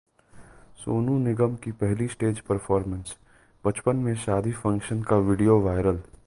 सोनू निगम की पहली stage performance! बचपन में शादी फंक्शन का वीडियो वायरल